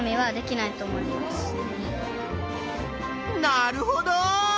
なるほど！